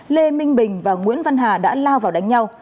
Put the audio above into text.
lê minh bình và nguyễn văn hà đã lao vào đánh nhau